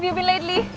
sejauh ini baik